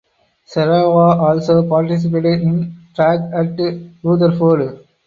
Serrao also participated in track at Rutherford.